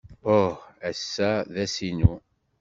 Uh! Ass-a d ass-inu.